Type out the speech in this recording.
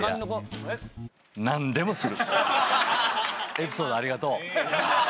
エピソードありがとう。